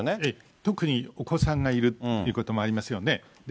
特にお子さんがいるっていうこともありますよね。